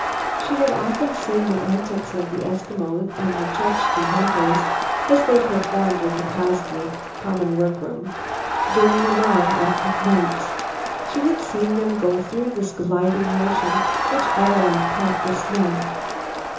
She had often seen the antics of the Eskimo and Chukche hunters as they performed in the cosgy (common workroom) during the long Arctic nights. She had seen them go through this gliding motion which Ad loo at practiced now.